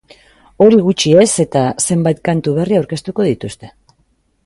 Hori gutxi ez eta, zenbait kantu berri aurkeztuko dituzte.